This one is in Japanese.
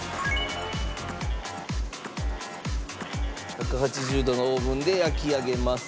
１８０度のオーブンで焼き上げます。